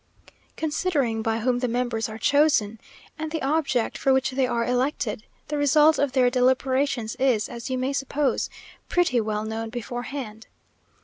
Considering by whom the members are chosen, and the object for which they are elected, the result of their deliberations is, as you may suppose, pretty well known beforehand.